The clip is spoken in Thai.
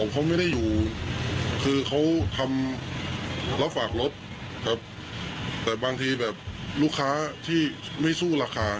เขาไม่ได้อยู่คือเขาทำรับฝากรถครับแต่บางทีแบบลูกค้าที่ไม่สู้ราคา